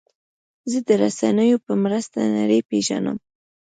زه د رسنیو په مرسته نړۍ پېژنم.